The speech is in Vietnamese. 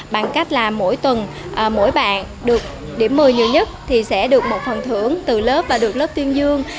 bằng cách là mỗi tuần mỗi bạn được điểm một mươi nhiều nhất thì sẽ được một phần thưởng từ lớp và được lớp tuyên dương